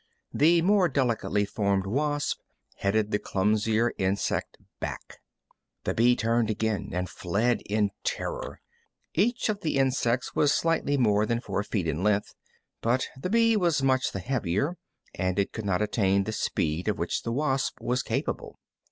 The more delicately formed wasp headed the clumsier insect back. The bee turned again and fled in terror. Each of the insects was slightly more than four feet in length, but the bee was much the heavier, and it could not attain the speed of which the wasp was capable.